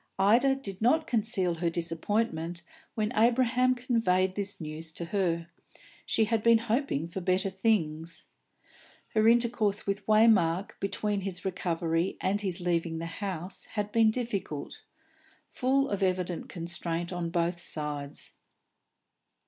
Ida did not conceal her disappointment when Abraham conveyed this news to her; she had been hoping for better things. Her intercourse with Waymark between his recovery and his leaving the house had been difficult, full of evident constraint on both sides.